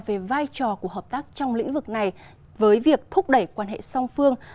về vai trò của hợp tác trong lĩnh vực này với việc thúc đẩy quan hệ song phương